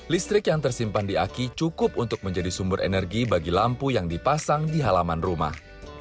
listrik yang tersimpan di aki cukup untuk menjadi sumber energi bagi lampu yang dipasang di halaman rumah